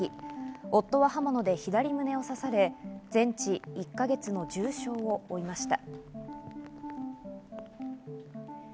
夫は刃物で左胸を刺され、全治１か月の重傷を負いました。